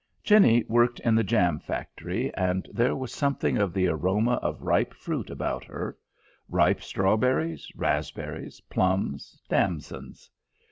Jenny worked in the jam factory, and there was something of the aroma of ripe fruit about her: ripe strawberries, raspberries, plums, damsons.